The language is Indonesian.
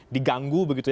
diganggu begitu ya